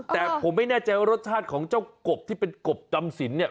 แต่ผมไม่แน่ใจว่ารสชาติของเจ้ากบที่เป็นกบจำสินเนี่ย